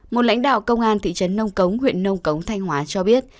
một lãnh đạo công an thị trấn nông cống huyện nông cống thanh hóa cho biết